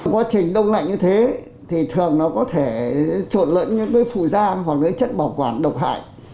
quá trình đông lạnh như thế thì thường nó có thể trộn lẫn những cái phụ da hoặc cái chất bảo quản độc hại